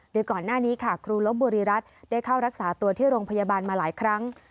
โดยก่อนหน้านี้ค่ะครูลบบุรีรัฐได้เข้ารักษาตัวที่โรงพยาบาลมาหลายครั้ง